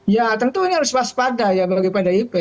ya tentu ini harus pas pada ya bagi pdip